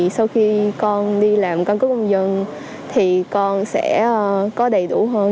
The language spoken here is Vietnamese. sau khi con đi làm căn cứ công dân thì con sẽ có đầy đủ hơn